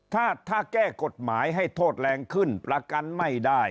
ถ้าแก้กฎหมายให้โทษแรงขึ้นประกันไม่ได้